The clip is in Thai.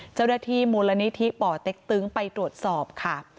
เจ้าหน้าที่มูลนิธิป่อเต็กตึงไปตรวจสอบค่ะ